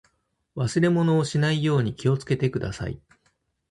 忘れ物をしないように気をつけてください。